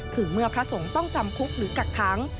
คือเมื่อพระสงฆ์ต้องจำคุกหรือกักค้าง